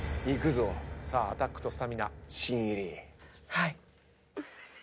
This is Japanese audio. はい。